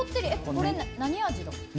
これ、何味だろ？